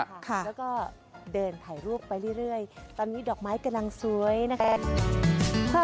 แล้วก็เดินถ่ายรูปไปเรื่อยตอนนี้ดอกไม้กำลังสวยนะคะ